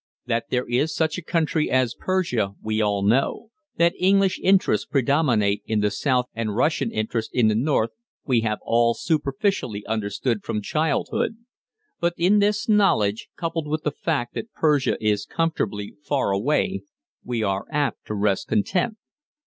That there is such a country as Persia we all know, that English interests predominate in the south and Russian interests in the north we have all superficially understood from childhood; but in this knowledge, coupled with the fact that Persia is comfortably far away, we are apt to rest content.